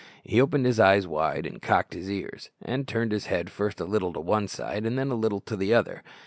He opened his eyes wide, and cocked his ears, and turned his head first a little to one side, then a little to the other.